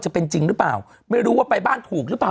จะเป็นจริงหรือเปล่าไม่รู้ว่าไปบ้านถูกหรือเปล่า